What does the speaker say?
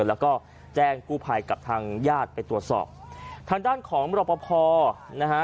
แล้วก็แจ้งกู้ภัยกับทางญาติไปตรวจสอบทางด้านของมรปภนะฮะ